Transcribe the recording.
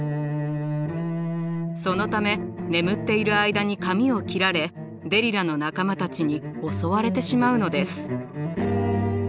そのため眠っている間に髪を切られデリラの仲間たちに襲われてしまうのです。